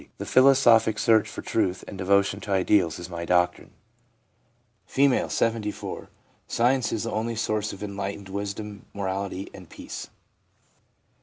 The philosophic search for truth and devotion to ideals is my doctrine/ F., 74. ■ Science is the only source of enlightened wis dom, morality and peace/ M.